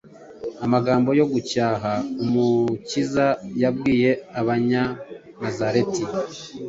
amagambo yo gucyaha Umukiza yabwiye Abanyanazareti,